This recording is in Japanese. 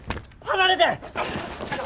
離れて！